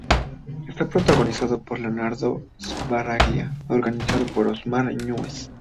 Está protagonizada por Leonardo Sbaraglia, acompañado por Osmar Núñez.